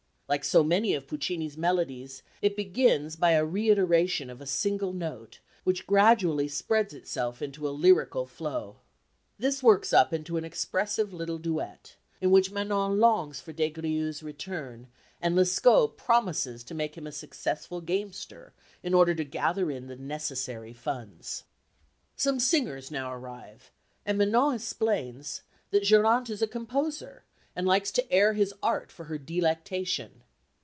Like so many of Puccini's melodies it begins by a reiteration of a single note, which gradually spreads itself into a lyrical flow. This works up into an expressive little duet, in which Manon longs for Des Grieux's return, and Lescaut promises to make him a successful gamester in order to gather in the necessary funds. Some singers now arrive, and Manon explains that Geronte is a composer, and likes to air his art for her delectation.